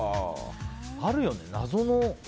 あるよね、謎の。